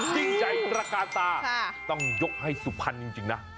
ยิ่งใหญ่กระกาศตาต้องยกให้สุพันธ์จริงนะ